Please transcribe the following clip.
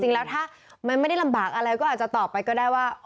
จริงแล้วถ้ามันไม่ได้ลำบากอะไรก็อาจจะตอบไปก็ได้ว่า